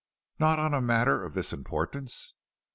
Not on a matter of this importance?"